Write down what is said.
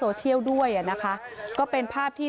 อย่าถามบ่อยนะก็ไม่รักป้าหรอก